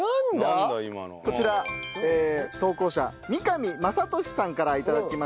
こちら投稿者三上昌勇さんから頂きました。